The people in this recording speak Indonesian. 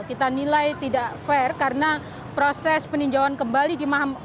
kita nilai tidak fair karena proses peninjauan kembali